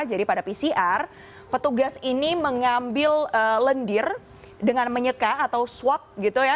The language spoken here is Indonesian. jadi pada pcr petugas ini mengambil lendir dengan menyeka atau swab gitu ya